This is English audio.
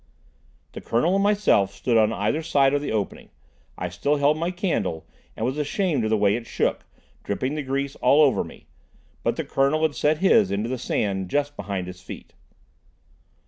The Colonel and myself stood on either side of the opening. I still held my candle and was ashamed of the way it shook, dripping the grease all over me; but the soldier had set his into the sand just behind his feet.